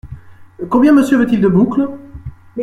Combien Monsieur veut-il de boucles ?